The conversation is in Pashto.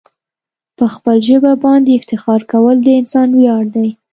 په خپل ژبه باندي افتخار کول د انسان ویاړ دی.